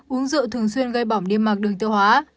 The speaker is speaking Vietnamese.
uống rượu thường xuyên gây bỏng điê mạc đường tiêu hóa